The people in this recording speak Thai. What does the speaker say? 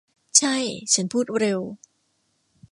ใช่ ฉันพูดเร็ว